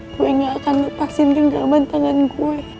gue gak akan lepasin genggaman tangan gue